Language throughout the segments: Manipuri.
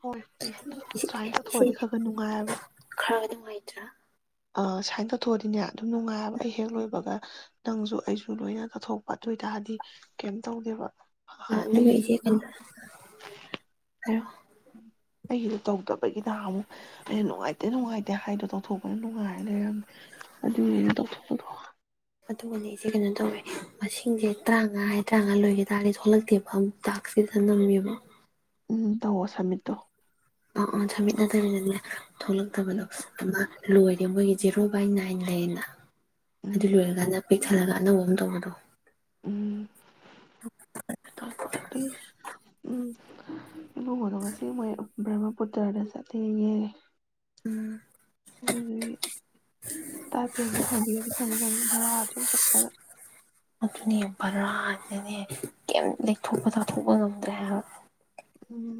ꯍꯣꯏ ꯏꯆꯦ ꯁꯨꯃꯥꯏꯅ ꯇꯧꯊꯣꯛꯑꯗꯤ ꯏꯆꯦ ꯈꯔ ꯈꯔ ꯅꯨꯡꯉꯥꯏꯕ ꯈꯔ [inaudible] ꯑꯥ ꯁꯨꯥꯏꯅ ꯇꯧꯊꯣꯛꯑꯗꯤꯅꯦ ꯑꯗꯨꯝ ꯅꯨꯡꯉꯥꯏꯌꯦꯕ ꯑꯩ ꯍꯦꯛ ꯂꯣꯏꯕꯒ ꯅꯪꯁꯨ ꯑꯩꯁꯨ ꯂꯣꯏꯅ ꯀꯠꯊꯣꯛꯄ ꯑꯗꯨ ꯑꯣꯏꯇꯥꯔꯗꯤ ꯀꯩꯝ ꯇꯧꯗꯦꯕ ꯑ ꯑꯗꯨꯒ ꯑꯩꯒꯤꯗꯨ ꯏꯆꯦ ꯅꯍꯥꯟ ꯍꯥꯏꯔꯣ ꯑꯩꯒꯤꯁꯨ ꯇꯧꯗꯕꯒꯤ ꯅꯍꯥꯟꯃꯨꯛ ꯑꯩꯅ ꯅꯨꯉꯥꯏꯇꯦ ꯅꯨꯉꯥꯏꯇ ꯗꯤ ꯍꯥꯏꯗꯣ ꯇꯧꯊꯣꯛꯄꯅ ꯅꯨꯡꯉꯥꯏꯔ ꯂꯩꯔꯝꯃꯦ ꯑꯗꯨꯏꯅꯦꯅ ꯇꯧꯊꯣꯛꯄꯗꯣ ꯑꯗꯨꯒꯅꯦ ꯏꯆꯦ ꯀꯩꯅꯣ ꯇꯧꯋꯦ ꯃꯁꯤꯡꯁꯦ ꯇꯔꯥꯃꯉꯥ ꯍꯥꯏ ꯇꯔꯥꯃꯉꯥ ꯂꯣꯏꯒꯤ ꯇꯥꯔꯒꯗꯤ ꯊꯣꯛꯂꯛꯇꯦꯕ ꯑꯃ ꯇꯥꯛꯁꯀꯤꯁꯤꯗ ꯅꯝꯃꯦꯕ ꯎꯝ ꯇꯧꯑꯣ ꯁꯃꯤꯠꯇꯣ ꯑ ꯑ ꯁꯃꯤꯠꯅꯠꯇꯕꯤꯗꯅꯦ ꯊꯣꯛꯂꯛꯇꯕꯗꯣ ꯎꯝ ꯑꯃ ꯂꯣꯏꯔꯦ ꯃꯣꯏꯒꯤ ꯖꯦꯔꯣ ꯕꯥꯏ ꯅꯥꯏꯟ ꯂꯩꯌꯦꯅ ꯑꯗꯨ ꯎꯝ ꯂꯣꯏꯔꯀꯥꯟꯗ ꯄꯤꯈꯠꯂꯒ ꯑꯅꯧꯕ ꯑꯃ ꯇꯧꯕꯗꯣ ꯎꯝ ꯑꯗꯨ ꯎꯝ ꯏꯃꯨꯡ ꯃꯅꯨꯡ ꯉꯁꯤ ꯃꯣꯏ ꯕ꯭ꯔꯍꯃꯄꯨꯇ꯭ꯔꯗ ꯆꯠꯂꯦꯌꯦ ꯑꯗꯨꯗꯨꯒꯤ ꯁ꯭ꯇꯥꯏꯄꯦꯟꯗꯣ ꯐꯪꯕꯤꯔꯗꯤ ꯐꯅꯤ ꯅꯪ ꯚꯔꯥ ꯁꯨꯝ ꯆꯠꯄꯗ ꯕꯔꯥ ꯍꯥꯏꯅꯅꯦ ꯀꯩꯝ ꯂꯩꯊꯣꯛꯄ ꯇꯥꯊꯣꯛꯄ ꯉꯝꯗ꯭ꯔꯦ ꯍꯥꯏꯕ ꯎꯝ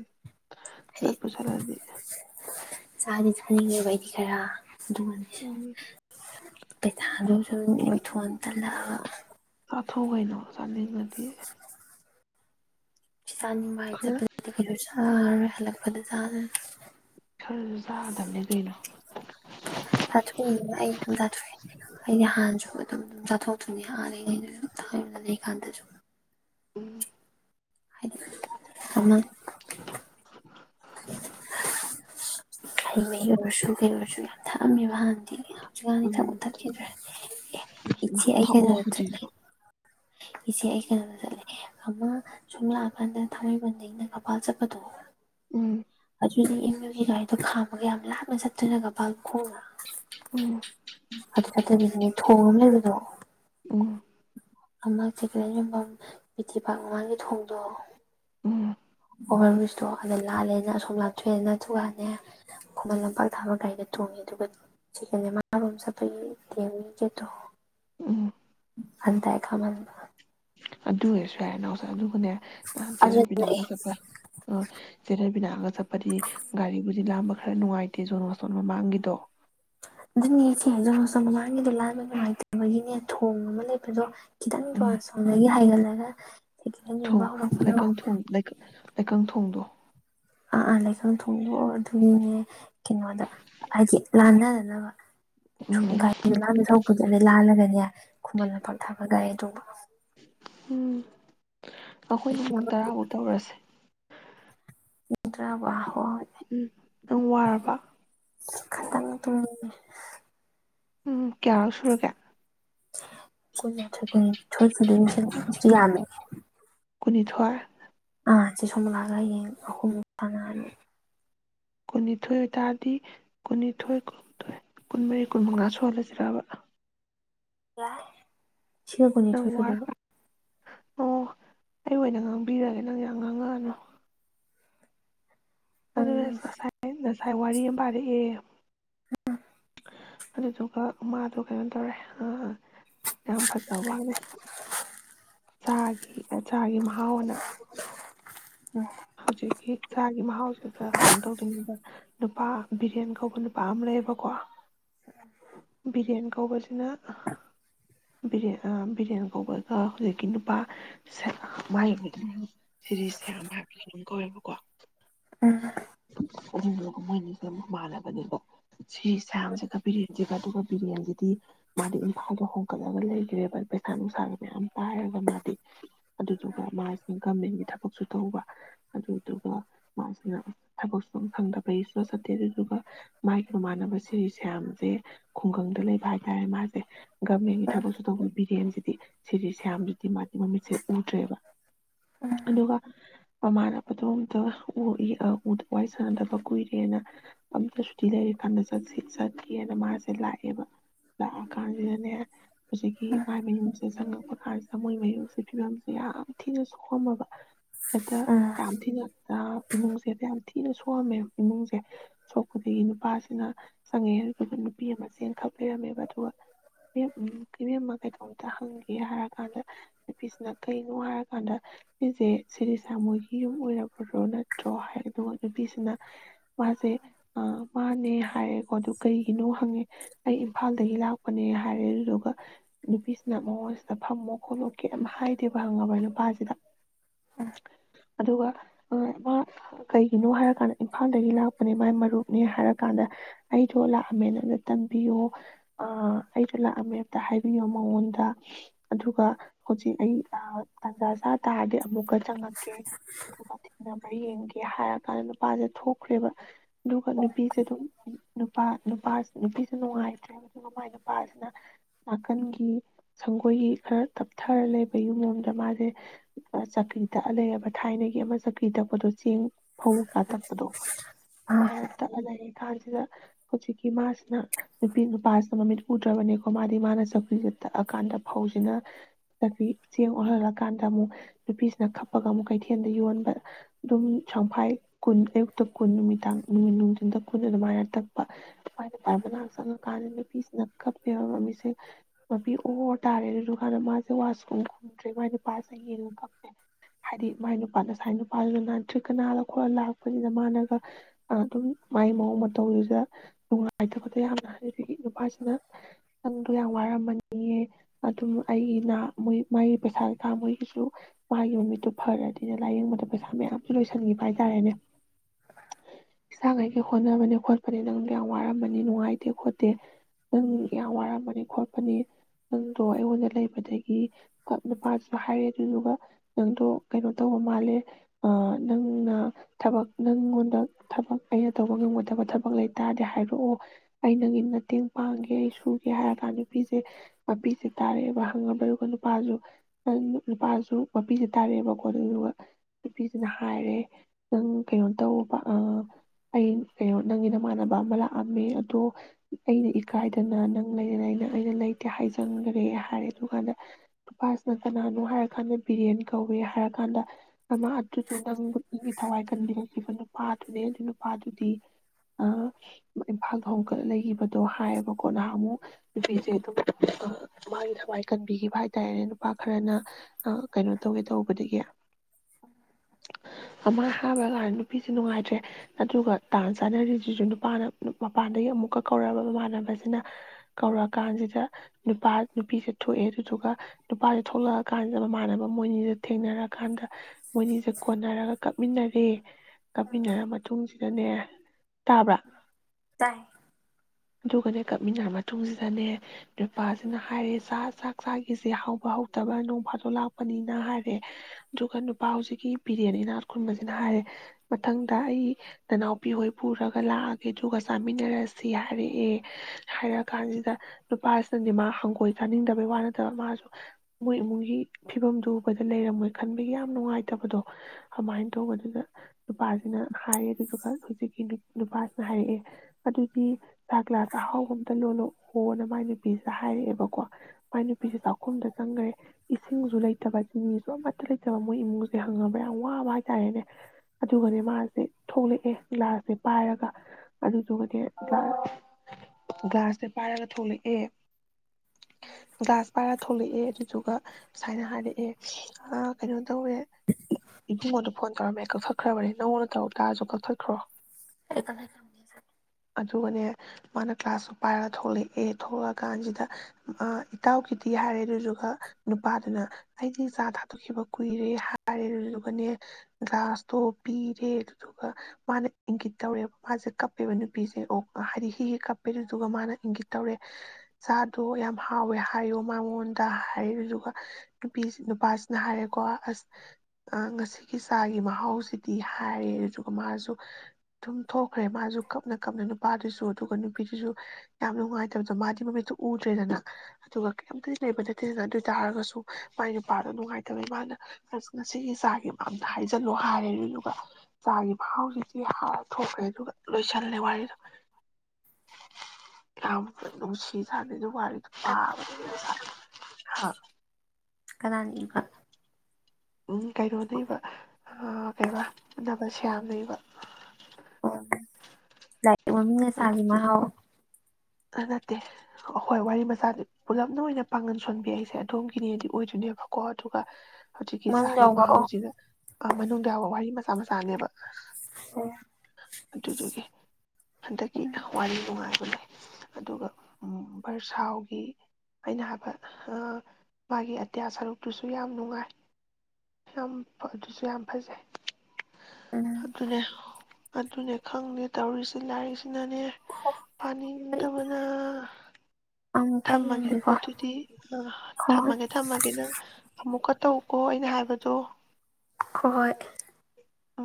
ꯍꯥꯏꯗꯤ ꯆꯠꯄꯨ ꯆꯠꯂꯗꯤ ꯆꯥꯗꯤ ꯆꯥꯅꯤꯡꯉꯦꯕ ꯑꯩꯗꯤ ꯈꯔ ꯑꯗꯨꯒꯅꯤ ꯎꯝ ꯄꯩꯊꯥ ꯑꯗꯨꯁꯨ ꯅꯤꯡꯊꯨꯑꯇꯂ ꯊꯣꯛ ꯀꯩꯅꯣ ꯆꯥꯅꯤꯡꯉꯗꯤ ꯁꯔ ꯈꯔ ꯍ ꯐꯗꯨꯖꯥꯅ ꯈꯔꯁꯨ ꯆꯥꯒꯗꯕꯅꯤ ꯀꯩꯅꯣ ꯆꯅꯦ ꯑꯩꯝ ꯆ ꯑꯩꯗꯤ ꯍꯥꯟꯁꯨ ꯑꯗꯨꯝ ꯑꯗꯨꯝ ꯆꯠꯊꯣꯛꯁꯨꯅꯤ ꯑꯥꯟꯅꯅꯦ ꯑꯩꯅ ꯁ ꯂꯩ ꯀꯥꯟꯗ ꯁꯨꯝ ꯎꯝ ꯍꯥꯏ ꯀꯃ [inaudible] ꯍꯉꯩ ꯑꯣꯏꯔꯁꯨ ꯀꯩ ꯑꯣꯏꯔꯁꯨ ꯌꯥꯝ ꯊꯛꯑꯝꯃꯦꯕ ꯍꯥꯟꯅꯗꯤ ꯌꯥꯝꯀꯥꯟꯗꯤ ꯊꯃ ꯎꯝ ꯊꯛꯈꯤꯗ꯭ꯔꯦ ꯑꯦ ꯏꯆꯦ ꯑꯩ ꯊꯛꯑꯣ ꯀꯩꯅ ꯆꯠꯅꯩ ꯍꯧꯖꯤꯛꯁꯨ ꯏꯆꯦ ꯑꯩ ꯀꯩꯅꯣꯗ ꯆꯠꯂꯦ ꯑꯃꯃ ꯁꯨꯝ ꯂꯥꯛꯑꯀꯥꯟꯗ ꯊꯥꯡꯃꯩꯕꯟꯗꯒꯤꯩꯅ ꯀꯄꯥꯜ ꯆꯠꯄꯗꯣ ꯎꯝ ꯑ ꯑ ꯈꯥꯝꯃꯒ ꯌꯥꯝ ꯂꯥꯞꯅ ꯆꯠꯇꯅꯒ ꯕꯥꯜꯕ ꯈꯣꯡꯉ ꯑꯣ ꯠꯇꯕꯤꯅꯦ ꯊꯣꯡ ꯑꯃ ꯂꯩꯕꯗꯣ ꯎꯝ ꯀ ꯌꯨꯝꯐꯝ ꯕꯤꯇꯤ ꯄꯥꯛ ꯃꯃꯥꯡꯒꯤ ꯊꯣꯡꯗꯣ ꯎꯝ ꯑꯣꯚꯔ ꯕ꯭ꯔꯤꯖꯇꯣ ꯑꯗ ꯂꯥꯜꯂꯦꯅ ꯑꯁꯣꯝ ꯂꯥꯊꯣꯛꯑꯦꯅ ꯑꯗꯨꯒꯨꯥꯟꯅꯦ ꯈꯨꯃꯟ ꯂꯝꯄꯥꯛ ꯊꯥꯕ ꯒꯥꯔꯤꯗ ꯇꯣꯡꯉꯦ ꯑꯗꯨꯒ ꯆꯀ ꯃꯥꯔꯣꯝ ꯆꯠꯄꯒꯤ ꯗꯦꯝꯒꯤ ꯦꯠꯇꯣ ꯎꯝ ꯑ ꯇꯦ ꯈꯃꯟ ꯑꯗꯨ ꯑꯣꯏꯔꯁꯨ ꯌꯥꯔꯅ ꯑꯣꯖꯥ ꯅꯦ ꯅꯍꯥꯟ ꯑꯗꯨꯅ ꯑꯦ ꯆꯦꯔꯕꯤꯅꯥꯒ ꯆꯠꯄ ꯑ ꯆꯦꯊꯕꯤꯅꯥꯛꯑꯒ ꯆꯠꯄꯗꯤ ꯒꯥꯔꯤꯕꯒꯨꯗꯤ ꯂꯥꯝꯕ ꯈꯔ ꯅꯨꯡꯉꯥꯏꯇꯦ ꯖꯣꯟ ꯋꯥꯁꯣꯟ ꯃꯃꯥꯡꯒꯤꯗꯣ ꯑꯗꯨꯅꯦ ꯁꯤꯦ ꯍꯥꯏꯗꯧꯅꯁ ꯃꯃꯥꯡꯒꯤꯗ ꯂꯥꯏꯥꯟꯕ ꯅꯨꯡꯉꯥꯏꯇꯕꯒꯤꯅꯦ ꯊꯣꯡ ꯑꯃ ꯂꯩꯕꯗꯣ ꯈꯤꯇꯪ ꯎꯝ ꯁꯣꯝꯗꯒꯤ ꯍꯥꯏꯒꯠꯂꯦ ꯍ ꯊ ꯌꯕꯣ ꯑꯩꯀꯪ ꯊꯣꯡꯗꯣ ꯑ ꯑ ꯂꯩꯀ ꯊꯣꯡꯕꯣꯛꯑꯣ ꯑꯗꯨꯒꯤꯅꯦ ꯀꯩꯅꯣꯗ ꯍꯥꯏꯗꯤ ꯂꯥꯟꯅ ꯊꯕ ꯎꯝ ꯒꯥꯔꯤꯗ ꯂꯥꯟꯅ ꯁꯄꯨꯗꯗꯩ ꯂꯥꯜꯂꯒꯅꯦ ꯈꯨꯃꯟ ꯂꯝ ꯄꯥꯛꯊꯥꯕꯒꯥꯏꯗꯣꯕ ꯎꯝ ꯑꯩꯈꯣꯏꯅ ꯄꯨꯡ ꯇꯔꯥꯕꯨꯧ ꯇꯧꯔꯁꯦ ꯆꯗ꯭ꯔꯥꯕ ꯍꯣ ꯎꯝ ꯅꯪ ꯋꯥꯔꯕ ꯈꯇꯪ ꯇ ꯎꯝ ꯀꯌꯥꯔꯛ ꯁꯨꯔꯒꯦ ꯀꯇꯌꯥ ꯀꯨꯅꯤ ꯊꯣꯏ ꯑ ꯆꯦ ꯁ ꯂꯒꯌꯦꯨꯝ ꯃꯁꯅ ꯀꯨꯟꯅꯤꯊꯣꯏ ꯑꯣꯏꯇꯥꯔꯗꯤ ꯀꯨꯟꯅꯤꯊꯣꯏ ꯀꯨꯟꯅꯤꯊꯣꯏ ꯀꯨꯟꯃꯔꯤ ꯀꯨꯟꯃꯉꯥ ꯁꯨꯍꯜꯂꯁꯤꯔꯕ ꯍ ꯁꯤꯒꯒꯅꯤ ꯅꯪ ꯋꯥꯔ ꯊꯣꯏꯁꯨꯗꯕ ꯑꯣ ꯑꯩ ꯑꯣꯏꯅ ꯉꯥꯡꯕꯤꯔꯒꯦ ꯅꯪ ꯌꯥꯝ ꯉꯥꯡꯉꯛꯑꯅꯨ ꯑꯗꯨꯥꯏ ꯎꯝ ꯉꯁꯥꯏ ꯋꯥꯔꯤ ꯑꯃ ꯄꯥꯔꯛꯑꯦ ꯑꯗꯨꯗꯨꯒꯃꯥꯗꯣ ꯀꯩꯅꯣ ꯇꯧꯔꯦ ꯑꯥ ꯌꯥꯝ ꯐꯖꯕ ꯋꯥꯂꯦ ꯆꯥꯒꯤ ꯑꯆꯥꯥꯒꯤ ꯃꯍꯥꯎꯅ ꯍꯧꯖꯤꯛꯀꯤ ꯏꯁꯥꯒꯤ ꯃꯍꯥꯎꯁꯤꯗ ꯀꯩꯅꯣ ꯇꯧꯅꯤꯡꯉꯤꯕ ꯅꯨꯄꯥ ꯕꯤꯔꯌꯥꯟ ꯀꯧꯕ ꯅꯨꯄꯥ ꯑꯃ ꯂꯩꯌꯦꯕꯀꯣ ꯕꯤꯔꯌꯥꯅꯤ ꯊꯥꯎꯕꯗꯤꯅ ꯕꯤꯔꯌꯥꯟ ꯀꯧꯕꯒ ꯍꯧꯖꯤꯛꯀꯤ ꯅꯨꯄꯥ ꯃꯗ ꯁꯤꯔꯤꯁꯦ ꯀꯧꯋꯦꯕꯀꯣ ꯎꯝ ꯎ ꯃꯣꯏꯅꯤꯁꯦ ꯑꯃꯨ ꯃꯥꯟꯅꯕꯅꯦꯕ ꯁꯤ ꯁꯁꯤꯒ ꯕꯤꯔꯌꯥꯟꯁꯤꯒ ꯑꯗꯨꯒ ꯕꯤꯔꯌꯥꯟꯁꯤꯗꯤ ꯃꯥꯗꯤ ꯏꯝꯐꯥꯜꯗ ꯍꯣꯡꯒꯠꯂꯒ ꯂꯩꯈ꯭ꯔꯦꯕ ꯄꯩꯁꯥ ꯅꯨꯡꯁꯥꯒ ꯃꯌꯥꯝ ꯄꯥꯏꯔꯒ ꯃꯥꯗꯤ ꯑꯗꯨꯗꯨꯒ ꯃꯥꯁꯤꯅ ꯒꯃꯦꯟꯒꯤ ꯊꯕꯛꯁꯨ ꯇꯧꯕ ꯑꯗꯨꯗꯨꯒ ꯃꯥꯁꯤꯅ ꯊꯕꯛꯁꯨ ꯑꯗꯨꯝ ꯐꯪꯗꯕꯩꯁꯨ ꯆꯠꯇꯦ ꯑꯗꯨꯗꯨꯒ ꯃꯥꯒꯤ ꯃꯃꯥꯟꯅꯕ ꯁꯤꯔꯤ ꯁꯌꯥꯝꯁꯦ ꯈꯨꯡꯒꯪꯗ ꯂꯩꯕ ꯍꯥꯏ ꯇꯔꯦ ꯃꯥꯁꯦ ꯒꯃꯦꯟꯒꯤ ꯊꯕꯛꯁꯨ ꯇꯧꯕ ꯕꯤꯔꯦꯝꯁꯤꯗꯤ ꯁꯤꯔꯤ ꯁꯌꯥꯝꯁꯤꯗꯤ ꯃꯥꯗꯤ ꯃꯃꯤꯠꯁꯦ ꯎꯗ꯭ꯔꯦꯕ ꯑꯗꯨꯒ ꯃꯃꯥꯅ ꯄꯗꯣꯝꯇ ꯋꯥꯏ ꯁꯥꯟꯅꯗꯕ ꯀꯨꯏꯔꯦꯅ ꯑꯝꯇ ꯁꯨꯇꯤ ꯂꯩꯔꯤꯀꯥꯟꯗ ꯆꯠꯁꯤ ꯆꯠꯀꯦꯅ ꯃꯥꯁꯦ ꯂꯥꯛꯑꯦꯕ ꯂꯥꯛꯑꯀꯥꯟꯁꯤꯗꯅꯦ ꯍꯧꯖꯤꯛꯀꯤ ꯃꯥꯥꯏ ꯃꯌꯨꯝꯁꯦ ꯆꯪꯉꯛꯄ ꯀꯥꯟꯁꯤꯗ ꯃꯣꯏ ꯃꯌꯨꯝꯁꯦ ꯐꯤꯕꯝꯁꯦ ꯌꯥꯝ ꯊꯤꯅ ꯁꯣꯛꯑꯝꯃꯕ ꯍꯦꯛꯇ ꯎꯝ ꯌꯥꯝ ꯊꯤꯅ ꯏꯃꯨꯡꯁꯦ ꯌꯥꯝ ꯊꯤꯅ ꯁꯣꯛꯑꯝꯃꯦꯕ ꯏꯃꯨꯡꯁꯦ ꯁꯣꯛꯄꯗꯒꯤ ꯅꯨꯄꯥꯁꯤꯅ ꯆꯪꯉꯛꯦ ꯑꯗꯨꯗꯨꯒ ꯅꯨꯄꯤ ꯑꯃ ꯆꯦꯟꯈꯛ ꯂꯩꯔꯝꯃꯦꯕ ꯑꯗꯨꯒ ꯃꯦꯝ ꯑꯃ ꯀꯩꯀꯣꯝꯇ ꯍꯪꯒꯦ ꯍꯥꯏꯔꯀꯥꯟꯗ ꯅꯨꯄꯤꯁꯤꯅ ꯀꯩꯅꯣ ꯍꯥꯏꯔꯀꯥꯟꯗ ꯁꯤꯁꯦ ꯁꯤꯔꯤꯁꯥ ꯃꯣꯏꯒꯤ ꯌꯨꯝ ꯑꯣꯏꯔꯕ꯭ꯔꯣ ꯅꯠꯇ꯭ꯔꯣ ꯍꯥꯏ ꯑꯗꯨꯒ ꯅꯨꯄꯤꯁꯤꯅ ꯃꯥꯁꯦ ꯑ ꯃꯥꯅꯦ ꯍꯥꯏꯔꯦꯀꯣ ꯑꯗꯨ ꯀꯩꯒꯤꯅꯣ ꯍꯪꯉꯦ ꯑꯩ ꯏꯝꯐꯥꯜꯗꯒꯤ ꯂꯥꯛꯄꯅꯦ ꯍꯥꯏꯔꯦ ꯑꯗꯨꯗꯨꯒ ꯅꯨꯄꯤꯁꯤꯅ ꯃꯉꯣꯟꯁꯤꯗ ꯐꯝꯃꯣ ꯈꯣꯠꯂꯣ ꯀꯔꯤꯝ ꯍꯥꯏꯗꯦꯕ ꯍꯪꯉꯕ꯭ꯔꯥ ꯅꯨꯄꯥꯁꯤꯗ ꯑꯗꯨꯒ ꯃꯥ ꯀꯩꯒꯤꯅꯣ ꯍꯥꯏꯔꯀꯥꯟꯗ ꯏꯝꯐꯥꯜꯗꯒꯤ ꯂꯥꯛꯄꯅꯦ ꯃꯥꯏ ꯃꯔꯨꯞꯅꯦ ꯍꯥꯏꯔꯀꯥꯟꯗ ꯑꯩꯗꯣ ꯂꯥꯛꯑꯝꯃꯦꯅ ꯑꯝꯇ ꯇꯝꯕꯤꯌꯣ ꯑ ꯑꯩꯗꯣ ꯂꯥꯛꯑꯝꯃꯦ ꯑꯝꯇ ꯍꯥꯏꯕꯤꯌꯣ ꯃꯉꯣꯟꯗ ꯑꯗꯨꯒ ꯍꯧꯖꯤꯛ ꯑꯩ ꯇꯥꯟꯖꯥꯖꯥ ꯇꯥꯔꯗꯤ ꯑꯃꯨꯛꯀ ꯆꯪꯉꯛꯀꯦ ꯑꯗꯨꯒ ꯊꯦꯡꯅꯕ꯭ꯔ ꯌꯦꯡꯒꯦ ꯍꯥꯏꯔꯀꯥꯟꯗ ꯅꯨꯄꯥꯁꯦ ꯊꯣꯛꯈ꯭ꯔꯦꯕ ꯑꯗꯨꯒ ꯅꯨꯄꯤꯁꯦ ꯑꯗꯨꯝ ꯅꯨꯄꯥ ꯅꯨꯄꯥ ꯅꯨꯄꯤꯁꯨꯦ ꯅꯨꯡꯉꯥꯏꯇ꯭ꯔꯦꯕ ꯑꯗꯨꯒ ꯃꯥꯏ ꯅꯨꯄꯥꯁꯤꯅ ꯅꯥꯀꯟꯒꯤ ꯁꯪꯒꯣꯏꯒꯤ ꯈꯔ ꯇꯞꯊꯔ ꯂꯩꯕ ꯌꯨꯝ ꯌꯣꯝꯗ ꯃꯥꯁꯦ ꯆꯀꯔꯤ ꯇꯛꯑ ꯂꯩꯔꯕ ꯊꯥꯏꯅꯒꯤ ꯑꯃ ꯆꯀ꯭ꯔꯤ ꯇꯛꯄꯗꯣ ꯆꯦꯡ ꯐꯧ ꯉ ꯇꯛꯄꯗꯣ ꯑꯥ ꯑꯗꯨꯃꯥꯏꯅ ꯇꯛꯑ ꯂꯩ ꯀꯥꯟꯁꯤꯗ ꯍꯧꯖꯤꯛꯀꯤ ꯃꯥꯁꯤꯅ ꯅꯨꯄꯤ ꯅꯨꯄꯥꯁꯤꯅ ꯃꯃꯤꯠ ꯎꯗ꯭ꯔꯕꯅꯦꯀꯣ ꯃꯥꯗꯤ ꯃꯥꯅ ꯆꯀ꯭ꯔꯤꯁꯤꯦ ꯇꯛꯑꯀꯥꯟꯗ ꯐꯧꯁꯤꯅ ꯆꯀ꯭ꯔꯤ ꯆꯦꯡ ꯑꯣꯜꯍꯜꯂꯀꯥꯟꯗ ꯑꯃꯨꯛ ꯅꯨꯄꯤꯁꯤꯅ ꯈꯞꯄꯒ ꯑꯃꯨꯛ ꯀꯩꯊ ꯏꯊꯦꯟꯗ ꯌꯣꯟꯕ ꯑꯗꯨꯝ ꯁꯪꯐꯥꯏ ꯀꯨꯟ ꯑꯌꯨꯛꯇ ꯀꯨꯟ ꯅꯨꯃꯤꯗꯥꯡ ꯅꯨꯃꯤꯠ ꯅꯨꯡꯊꯤꯟꯗ ꯀꯨꯟ ꯑꯗꯨꯃꯥꯏꯅ ꯇꯛꯄ ꯃꯥꯏꯅ ꯄꯥꯏ ꯃꯅꯥ ꯆꯪꯉꯀꯥꯟꯗ ꯅꯨꯄꯤꯁꯤꯅ ꯀꯞꯄꯦꯕ ꯃꯃꯤꯁꯦ ꯃꯄꯤ ꯑꯣꯔ ꯇꯥꯔꯦ ꯑꯗꯨ ꯀꯥꯟꯗ ꯃꯥꯁꯦ ꯋꯥꯁꯀꯨꯝ ꯈꯨꯝꯗ꯭ꯔꯦ ꯃꯥꯥꯏ ꯅꯨꯄꯥꯁꯦ ꯌꯦꯡꯉ ꯀꯞꯄꯦ ꯍꯥꯏꯗꯤ ꯃꯥꯏ ꯅꯨꯄꯥꯅ ꯉꯁꯥꯏ ꯅꯨꯄꯥꯗꯨꯗ ꯅꯥꯟ ꯇ꯭ꯔꯤꯛꯀꯅꯥꯜꯂ ꯈꯣꯠꯂ ꯂꯥꯛꯄꯁꯤꯗ ꯃꯥꯅꯒ ꯑꯗꯨꯝ ꯃꯒꯤ ꯃꯑꯣꯡ ꯃꯇꯧꯗꯨꯗ ꯅꯨꯡꯉꯥꯏꯇꯕꯗ ꯌꯥꯝꯅ ꯑꯗꯒꯤ ꯅꯨꯄꯥꯁꯤꯅ ꯅꯪꯗꯣ ꯌꯥꯝ ꯋꯥꯔꯝꯃꯅꯤꯌꯦ ꯑꯗꯨꯝ ꯑꯩꯒꯤ ꯃꯣꯏ ꯃꯥꯒꯤ ꯄꯩꯁꯥ ꯀꯩꯀꯥ ꯃꯣꯏꯒꯤꯁꯨ ꯃꯥꯒꯤ ꯃꯃꯤꯠꯇꯨ ꯐꯔꯗꯤꯅ ꯂꯥꯏꯌꯦꯡꯕꯗ ꯄꯩꯁꯥ ꯃꯌꯥꯝꯁꯨ ꯂꯣꯏꯁꯤꯟꯈꯤꯕ ꯍꯥꯏꯇꯥꯔꯦꯅꯦ ꯏꯁꯆꯥꯈꯩꯒꯤ ꯍꯣꯠꯅꯕꯅꯦ ꯈꯣꯠꯄꯅꯦ ꯅꯪꯗꯣ ꯌꯥꯝ ꯋꯥꯔꯝꯕꯅꯤ ꯅꯨꯡꯉꯥꯏꯇꯦ ꯈꯣꯠꯇꯦ ꯅꯪ ꯌꯥꯝ ꯋꯥꯔꯝꯕꯅꯤ ꯈꯣꯠꯄꯅꯤ ꯅꯪꯗꯣ ꯑꯩꯉꯣꯟꯗ ꯂꯩꯕꯗꯒꯤ ꯅꯨꯄꯥꯗꯨꯁꯨ ꯍꯥꯏꯔꯛꯑꯦ ꯑꯗꯨꯗꯨꯒ ꯅꯪꯗꯣ ꯀꯩꯅꯣ ꯇꯧꯕ ꯃꯥꯜꯂꯦ ꯅꯪꯅ ꯊꯕꯛ ꯅꯪꯉꯣꯟꯗ ꯊꯕꯛ ꯑꯩꯅ ꯇꯧꯕ ꯉꯝꯒꯗꯕ ꯊꯕꯛ ꯂꯩꯇꯥꯥꯔꯗꯤ ꯍꯥꯏꯔꯛꯑꯣ ꯑꯩ ꯅꯪꯒꯤ ꯃꯇꯦꯡ ꯄꯥꯡꯒꯦ ꯑꯩ ꯁꯨꯒꯦ ꯍꯥꯏꯔꯀꯥꯟꯗ ꯅꯨꯄꯤꯁꯦ ꯃꯄꯤꯁꯦ ꯇꯥꯔꯛꯑꯦꯕ ꯍꯪꯉꯕꯗꯨ ꯅꯨꯄꯥꯁꯨ ꯅꯨꯄꯥꯁꯨ ꯃꯄꯤꯁꯦ ꯇꯥꯔꯛꯑꯦꯕꯀ ꯑꯗꯨꯗꯨꯒ ꯅꯨꯄꯤꯁꯤꯅ ꯍꯥꯏꯔꯦ ꯅꯪ ꯀꯩꯅꯣ ꯇꯧꯕ ꯑ ꯑꯩ ꯀꯩꯅꯣ ꯅꯪꯒꯤ ꯅꯃꯥꯟꯅꯕ ꯑꯃ ꯂꯥꯛꯑꯝꯃꯦ ꯑꯗꯣ ꯑꯩꯅ ꯏꯀꯥꯏꯗꯅ ꯅꯪ ꯂꯩꯅ ꯂꯩꯅ ꯑꯩꯅ ꯂꯩꯇꯦ ꯍꯥꯏꯖꯟꯈ꯭ꯔꯦ ꯍꯥꯏꯔꯦ ꯑꯗꯨ ꯀꯥꯟꯗ ꯅꯨꯄꯥꯁꯤꯅ ꯀꯅꯥꯅꯣ ꯍꯥꯏꯔꯀꯥꯟꯗ ꯕꯤꯔꯌꯥꯅꯤ ꯀꯧꯋꯦ ꯍꯥꯏꯔ ꯀꯥꯟꯗ ꯑꯃ ꯑꯗꯨꯁꯨ ꯅꯪꯕꯨꯒꯤ ꯊꯋꯥꯏ ꯀꯟꯕꯤꯉꯈꯤꯕꯅꯣ ꯅꯨꯄꯥꯗꯨꯅꯦ ꯑꯗꯨ ꯅꯨꯄꯥꯗꯨꯗꯤ ꯑ ꯏꯝꯐꯥꯜꯗ ꯍꯣꯡꯀꯠꯂ ꯂꯩꯈꯤꯕꯗꯣ ꯍꯥꯏꯌꯦꯕꯀꯣ ꯅꯍꯥꯟ ꯑꯃꯨꯛ ꯅꯨꯄꯤꯁꯦ ꯑꯗꯨꯝ ꯃꯥꯒꯤ ꯊꯋꯥꯏ ꯀꯟꯕꯤꯈꯤꯕ ꯍꯥꯏꯇꯥꯔꯦꯅꯦ ꯅꯨꯄꯥ ꯈꯔꯅ ꯀꯩꯅꯣ ꯇꯧꯒꯦ ꯇꯧꯕꯗꯒꯤ ꯃꯥ ꯍꯥꯕꯀꯥꯟꯗ ꯅꯨꯄꯤꯁꯦ ꯅꯨꯡꯉꯥꯏꯇ꯭ꯔꯦ ꯑꯗꯨꯒ ꯗꯥꯥꯟꯁ ꯆꯥꯅꯔꯤꯁꯤꯁꯨ ꯅꯨꯄꯥꯅ ꯃꯄꯥꯟꯗꯒꯤ ꯑꯃꯨꯛꯀ ꯀꯧꯔꯛꯑꯔꯕ ꯃꯃꯥꯟꯅꯕꯁꯤꯅ ꯀꯧꯔꯛꯑꯀꯥꯟꯁꯤꯗ ꯅꯨꯄꯥ ꯅꯨꯄꯤꯁꯦ ꯊꯣꯛꯑꯦ ꯑꯗꯨꯗꯨꯒ ꯅꯨꯄꯥꯁꯦ ꯊꯣꯛꯂꯛꯑꯀꯥꯟꯁꯤꯗ ꯃꯃꯥꯟꯅꯕ ꯃꯣꯏꯅꯤꯗ ꯊꯦꯡꯅꯔ ꯀꯥꯟꯗ ꯃꯣꯏꯅꯤꯁꯦ ꯀꯣꯟꯅꯔꯒ ꯀꯞꯃꯤꯟꯅꯔꯦ ꯀꯞꯃꯤꯟꯅꯔ ꯃꯇꯨꯡꯁꯤꯗꯅꯦ ꯇꯥꯕ꯭ꯔꯥ ꯇꯥꯏ ꯑꯗꯨꯒꯅꯦ ꯀꯞꯃꯤꯟꯅꯔ ꯃꯇꯨꯡꯁꯤꯗꯅꯦ ꯅꯨꯄꯥꯁꯤꯅ ꯍꯥꯏꯔꯦ ꯆꯥꯛ ꯆꯥꯛ ꯆꯥꯒꯤꯁꯦ ꯍꯥꯎꯕ ꯍꯧꯇꯕ꯭ꯔ ꯅꯣꯡ ꯐꯥꯠꯇꯣꯛ ꯂꯥꯛꯄꯅꯤꯅ ꯍꯥꯏꯔꯦ ꯑꯗꯨꯒ ꯅꯨꯄꯥ ꯍꯧꯖꯤꯛꯀꯤ ꯕꯤꯔꯌꯥꯅꯤ ꯅꯥꯠ ꯈꯨꯟꯕꯁꯤꯅ ꯍꯥꯏꯔꯦ ꯃꯊꯪꯗ ꯑꯩ ꯅꯅꯥꯎꯄꯤꯍꯣꯏ ꯄꯨꯔꯒ ꯂꯥꯛꯑꯒꯦ ꯑꯗꯨꯒ ꯆꯥꯃꯤꯟꯅꯔꯁꯤ ꯍꯥꯏꯔꯛꯑꯦ ꯍꯥꯏꯔꯛ ꯀꯥꯟꯁꯤꯗ ꯅꯨꯄꯥꯁꯤꯅꯗꯤ ꯃꯥ ꯍꯪꯒꯣꯏ ꯆꯥꯅꯤꯡꯗꯕꯩ ꯋꯥꯅꯗꯕ ꯃꯥꯁꯨ ꯃꯣꯏ ꯏꯃꯨꯡꯒꯤ ꯐꯤꯕꯝꯗꯨꯕꯗ ꯂꯩꯔꯝꯃꯣꯏ ꯈꯟꯕꯒꯤ ꯌꯥꯝ ꯅꯨꯡꯉꯥꯏꯇꯕꯗꯣ ꯑꯗꯨꯃꯥꯏꯅ ꯇꯧꯕ ꯑꯗꯨꯗ ꯅꯨꯄꯥꯁꯤꯅ ꯍꯥꯏꯌꯦ ꯑꯗꯨꯗꯨꯒ ꯍꯧꯖꯤꯛꯀꯤ ꯅꯨꯄꯥꯁꯤꯅ ꯍꯥꯏꯔꯛꯑꯦ ꯑꯗꯨꯗꯤ ꯆꯥꯛ ꯀ꯭ꯂꯥꯁ ꯑꯍꯥꯎ ꯑꯝꯇ ꯂꯣꯜꯂꯛꯑꯣꯅ ꯃꯥꯏ ꯅꯨꯄꯤꯁꯤꯗ ꯍꯥꯏꯔꯛꯑꯦꯕꯀꯣ ꯃꯥꯏ ꯅꯨꯄꯤꯁꯦ ꯆꯥꯛꯈꯨꯝꯗ ꯆꯪꯈ꯭ꯔꯦ ꯏꯁꯤꯡꯁꯨ ꯂꯩꯇꯕ ꯃꯤꯁꯨ ꯑꯃ ꯑꯇ ꯂꯩꯇꯕ ꯃꯣꯏ ꯏꯃꯨꯡꯁꯦ ꯍꯪꯉꯕ ꯌꯥꯝ ꯋꯥꯕ ꯍꯥꯏꯇꯥꯔꯦꯅꯦ ꯑꯗꯨꯒꯅꯦ ꯃꯥꯁꯦ ꯊꯣꯛꯂꯛꯑꯦ ꯒ꯭ꯂꯥꯁꯁꯦ ꯄꯥꯏꯔꯒ ꯑꯗꯨꯗꯨꯒꯅꯦꯥꯁ ꯒ꯭ꯂꯥꯁꯁꯦ ꯄꯥꯏꯔꯒ ꯊꯣꯛꯂꯛꯑꯦ ꯒ꯭ꯂꯥꯁ ꯄꯥꯏꯔꯒ ꯊꯣꯛꯂꯛꯑꯦ ꯑꯗꯨꯗꯨꯒ ꯁꯨꯃꯥꯏꯅ ꯍꯥꯏꯔꯛꯑꯦ ꯑ ꯀꯩꯅ ꯇꯧꯔꯦ ꯏꯕꯨꯡ ꯑꯗꯨ ꯐꯣꯟ ꯇꯧꯔꯝꯃꯦ ꯀꯛꯊꯈ꯭ꯔꯕꯅꯤ ꯅꯪꯉꯅ ꯇꯧ ꯇꯥꯔꯁꯨ ꯀꯛꯊꯠꯈ꯭ꯔꯣ ꯑꯗꯨꯒꯅꯦ [inaudible] ꯃꯥꯅ ꯀ꯭ꯂꯥꯁꯇ ꯄꯥꯏꯔꯒ ꯊꯣꯛꯂꯛꯦ ꯊꯣꯛꯂꯛꯑꯀꯥꯟꯁꯤꯗ ꯏꯇꯥꯎꯒꯤꯇꯤ ꯍꯥꯏꯔꯦ ꯑꯗꯨꯗꯨꯒ ꯅꯨꯄꯥꯗꯨꯅ ꯑꯩꯗꯤ ꯏꯆꯥ ꯊ ꯇꯈꯤꯕ ꯀꯨꯏꯔꯦ ꯍꯥꯏꯔꯦ ꯑꯗꯨꯗꯨꯒꯅꯦ ꯒ꯭ꯂꯥꯁꯇꯣ ꯄꯤꯔꯦ ꯑꯗꯨꯗꯨꯒ ꯃꯥꯅ ꯏꯪꯒꯤꯠ ꯇꯧꯔꯦꯕ ꯃꯥꯁꯦ ꯀꯞꯄꯦꯕ ꯅꯨꯄꯤꯁꯦ ꯑꯣ ꯍꯥꯏꯗꯤ ꯍꯤꯦ ꯀꯞꯄꯦ ꯑꯗꯨꯗꯨꯒ ꯃꯥꯅ ꯏꯪꯒꯤꯠ ꯇꯧꯔꯦ ꯆ ꯑꯣ ꯌꯥꯝ ꯍꯥꯎꯋꯦ ꯍꯥꯏꯌꯣ ꯃꯉꯣꯟꯗ ꯍꯥꯏꯗꯨꯒ ꯅꯨꯄꯤ ꯅꯨꯄꯥ ꯅ ꯍꯥꯏꯔꯦꯀꯣ ꯑꯁ ꯉꯁꯤꯒꯤ ꯆꯥꯒꯤ ꯃꯍꯥꯎꯁꯤꯗꯤ ꯍꯥꯏꯔꯦ ꯑꯗꯨꯒ ꯃꯥꯁꯨ ꯇꯨꯝꯊꯣꯛ ꯈ꯭ꯔꯦ ꯃꯥꯁꯨ ꯀꯞꯅ ꯀꯞꯅ ꯅꯨꯄꯥꯗꯨꯁꯨ ꯑꯗꯨꯒ ꯅꯨꯄꯤꯗꯨꯁꯨ ꯌꯥꯝ ꯅꯨꯡꯉꯥꯏꯇꯕꯗꯣ ꯃꯥꯗꯤ ꯃꯃꯤꯠꯇꯨ ꯎꯗ꯭ꯔꯦꯗꯅ ꯑꯗꯨꯒ ꯀꯔꯤꯝꯇꯗꯤ ꯂꯩꯕ ꯅꯠꯇꯦꯗꯅ ꯑꯗꯨ ꯑꯣꯏꯇꯥꯔꯒꯁꯨ ꯃꯥꯏ ꯅꯨꯄꯥꯗꯣ ꯅꯨꯡꯉꯥꯏ ꯏꯃꯅ ꯑꯁ ꯉꯁꯤꯒꯤ ꯆꯥꯒꯤꯝꯗ ꯍꯥꯏꯖꯜꯂꯣ ꯍꯥꯏꯔꯦ ꯑꯗꯨꯒ ꯆꯥꯒꯤ ꯃꯍꯥꯎꯁꯤꯗꯤ ꯍ ꯊꯣꯛꯑꯦ ꯑꯗꯨꯒ ꯂꯣꯏꯁꯤꯜꯂꯦ ꯋꯥꯔꯤꯗꯣ ꯌꯥꯝ ꯅꯨꯡꯁꯤ ꯁꯥꯟꯅꯩ ꯑꯗꯨ ꯋꯥꯔꯤꯗꯣ ꯄꯥꯕ ꯀꯗꯥꯅꯤ ꯏ ꯐ ꯀꯩꯅꯣꯅꯦꯕ ꯀꯩ ꯑꯥꯟꯅꯕꯁ ꯌꯥꯝ ꯂꯩꯕ ꯑꯣ ꯃꯃꯤꯡꯅ ꯁꯥꯒꯤ ꯑꯗꯨꯁꯨ ꯃꯍꯥꯎ ꯅꯠꯇꯦ ꯑꯩꯈꯣꯏ ꯋꯥꯔꯤ ꯃꯆꯥꯗꯤ ꯄꯨꯂꯞꯅ ꯑꯣꯏꯅ ꯄꯥꯡꯒꯟ ꯁꯣꯟꯕꯤꯛꯏꯁꯦ ꯑꯗꯣꯝꯒꯤꯅꯦꯗꯤ ꯑꯣꯏꯗꯣꯏꯅꯦꯕꯀꯣ ꯑꯗꯨꯒ ꯍꯧꯖꯤꯛꯀꯤ ꯃꯅꯨꯡ ꯆꯒꯤ ꯌꯥꯎꯕ ꯑꯣ ꯃꯍꯥꯎꯁꯤꯗ ꯃꯅꯨꯡꯗ ꯌꯥꯕ ꯋꯥꯔꯤ ꯃꯥ ꯃ ꯆꯥꯅꯦꯕ ꯎꯝ ꯑꯗꯨꯗꯨꯒꯤ ꯍꯟꯗꯛꯀꯤ ꯋꯥꯔꯤ ꯅꯨꯡꯉꯥꯏꯕ ꯂꯩ ꯑꯗꯨꯒ ꯕꯔꯁꯥꯎꯒꯤ ꯑꯩꯅ ꯍꯥꯏꯕ ꯃꯥꯒꯤ ꯑꯇꯤꯌꯥ ꯁꯔꯨꯛꯇꯨꯁꯨ ꯌꯥꯝ ꯅꯨꯡꯉꯥꯏ ꯌꯥꯝ ꯑꯗꯨꯁꯨ ꯌꯥꯝ ꯐꯖꯩ ꯎꯝ ꯑꯗꯨꯅꯦ ꯑꯗꯨꯅꯦ ꯈꯪꯗꯦ ꯇꯧꯔꯤꯁꯦ ꯇꯜꯂꯥꯔꯤ ꯁꯤꯅꯅꯦ ꯑꯩ ꯄꯥꯅꯤꯡꯗꯕꯅ ꯑꯃꯨꯛꯀ ꯊꯝꯃꯒꯦꯀꯣ ꯌꯦꯡꯒꯦꯀꯣ ꯍꯣꯏ ꯑꯗꯨꯗꯤ ꯍꯣꯏ ꯊꯝꯃꯒꯦ ꯊꯝꯃꯒꯦ ꯅꯪ ꯑꯃꯨꯛꯀ ꯇꯧ ꯀꯣ ꯑꯩꯅ ꯍꯥꯏꯕꯗꯣ ꯍꯣꯏ ꯑ